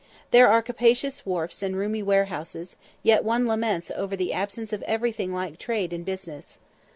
There are capacious wharfs and roomy warehouses, yet one laments over the absence of everything like trade and business.